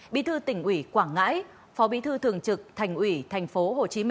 bí thư tỉnh ủy quảng ngãi phó bí thư thường trực thành ủy tp hcm